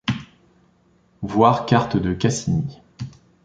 Voir cartes de Cassini.